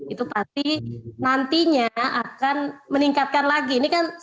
itu pasti nantinya akan meningkatkan lagi